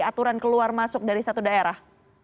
aturan keluar masuk dari satu daerah